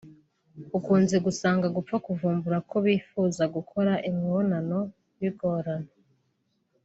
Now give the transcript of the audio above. ukunze gusanga gupfa kuvumbura ko bifuza gukora imibonano bigorana